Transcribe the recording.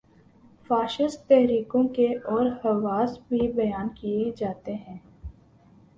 Fascist تحریکوں کے اور خواص بھی بیان کیے جاتے ہیں۔